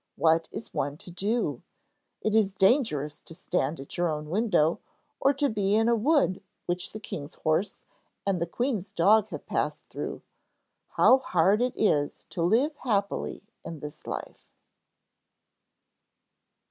'What is one to do? It is dangerous to stand at your own window, or to be in a wood which the king's horse and the queen's dog have passed through. How hard it is to live happily in this life!'